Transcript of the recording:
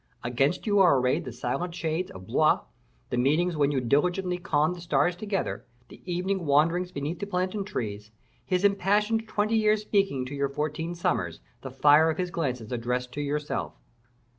Against you are arrayed the silent shades of Blois, the meetings when you diligently conned the stars together, the evening wanderings beneath the plantain trees, his impassioned twenty years speaking to your fourteen summers, the fire of his glances addressed to yourself."